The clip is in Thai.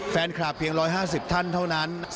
แฟนคลับเพียง๑๕๐ท่านเท่านั้น